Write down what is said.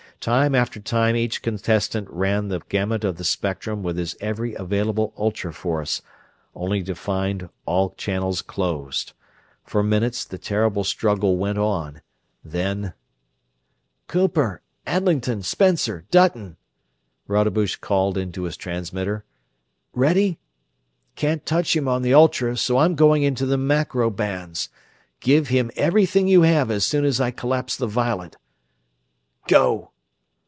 Time after time each contestant ran the gamut of the spectrum with his every available ultra force, only to find all channels closed. For minutes the terrible struggle went on, then: "Cooper, Adlington, Spencer, Dutton!" Rodebush called into his transmitter. "Ready? Can't touch him on the ultra, so I'm going onto the macro bands. Give him everything you have as soon as I collapse the violet. Go!"